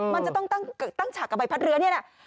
มันจะต้องตั้งฉากกับใบพัดเรือนี่แหละ